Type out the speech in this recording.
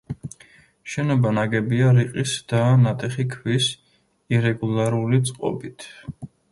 შენობა ნაგებია რიყის და ნატეხი ქვის ირეგულარული წყობით.